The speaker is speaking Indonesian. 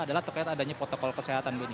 adalah terkait adanya protokol kesehatan benny